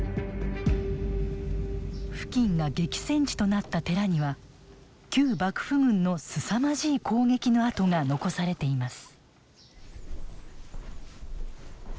付近が激戦地となった寺には旧幕府軍のすさまじい攻撃の跡が残されています。